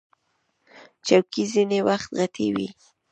چوکۍ ځینې وخت غټې وي.